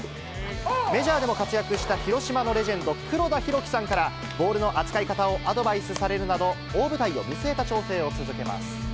メジャーでも活躍した広島のレジェンド、黒田博樹さんからボールの扱い方をアドバイスされるなど、大舞台を見据えた調整を続けます。